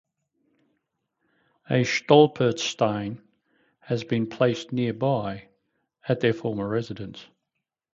A "stolperstein" has been placed nearby at their former residence.